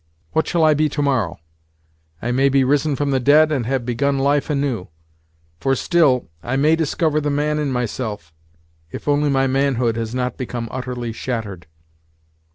What shall I be tomorrow? I may be risen from the dead, and have begun life anew. For still, I may discover the man in myself, if only my manhood has not become utterly shattered.